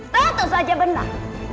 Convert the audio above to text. tentu saja benar